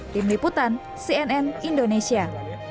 tim liputan cnn indonesia